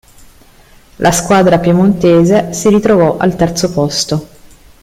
La squadra piemontese si ritrovò al terzo posto.